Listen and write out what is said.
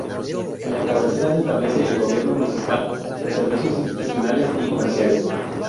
En la cabecera, se establece el gobierno municipal, los servicios institucionales y comerciales.